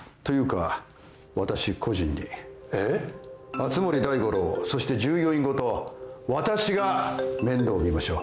熱護大五郎そして従業員ごと私が面倒見ましょう。